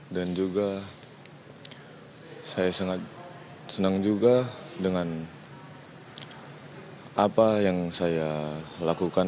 dan juga saya sangat senang juga dengan apa yang saya lakukan